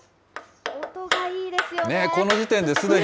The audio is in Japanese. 音がいいですよね。